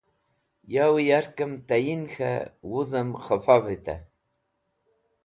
Yo yarkẽm tayin khẽ wuzẽm k̃hefa vitẽ